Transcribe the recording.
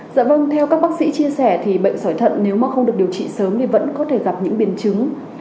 dạ vâng theo các bác sĩ chia sẻ thì bệnh sỏi thận nếu mà không được điều trị sớm thì vẫn có thể gặp những biến chứng